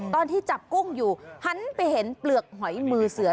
ตอนที่จับกุ้งอยู่หันไปเห็นเปลือกหอยมือเสือ